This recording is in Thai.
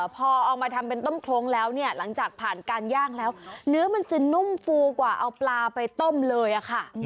พอเอามาทำเป็นต้มโครงแล้วเนี่ยหลังจากผ่านการย่างแล้วเนื้อมันจะนุ่มฟูกว่าเอาปลาไปต้มเลยค่ะ